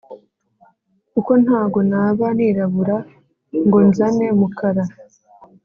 Kuko ntago naba nirabura ngonzane mukara